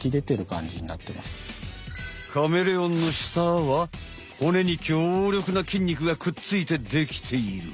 カメレオンの舌は骨に強力なきんにくがくっついてできている。